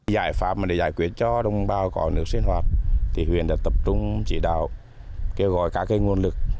giải pháp để giải quyết cho đồng bào có nước sinh hoạt thì huyện đã tập trung chỉ đạo kêu gọi các nguồn lực